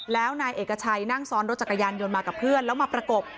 แล้วนายเอกชัยนั่งซ้อนรถจักรยานยนต์มากับเพื่อนแล้วมาประกบ